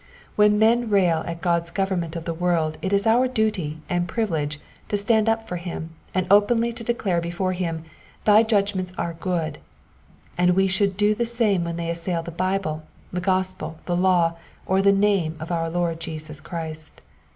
When men rail at God^s government of the world it is our duty and privilege to stand up for him, and openly to declare before him, thy judgments are good "; and we should do the same when they assail the Bible, the gospel, the law, or the name of our Lord Jesus Christ.